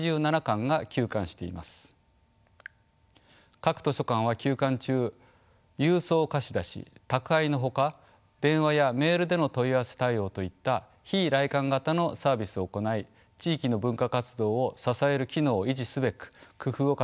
各図書館は休館中郵送貸し出し宅配のほか電話やメールでの問い合わせ対応といった非来館型のサービスを行い地域の文化活動を支える機能を維持すべく工夫を重ねてました。